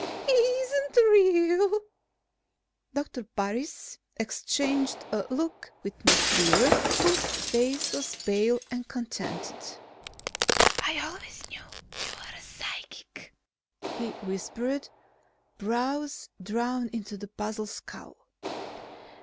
"He isn't real!" Doctor Parris exchanged a look with Miss Beaver, whose face was pale but contented. "I always knew you were psychic," he whispered, brows drawn into a puzzled scowl.